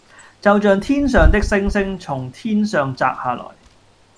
就像天上的星星從天上擲下來